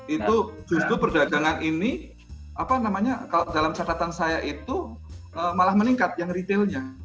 itu justru perdagangan ini kalau dalam catatan saya itu malah meningkat yang retailnya